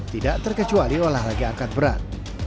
tidak terkecuali olahraga angkat berat